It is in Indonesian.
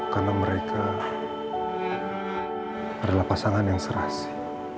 karena mereka adalah pasangan yang serasi